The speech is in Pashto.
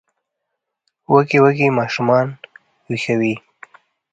وږي وږي ماشومان ویښوي